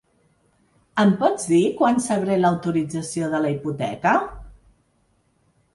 Em pots dir quan sabré l'autorització de la hipoteca?